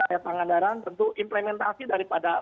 daya pangandaran tentu implementasi daripada